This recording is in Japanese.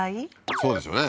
そうですよね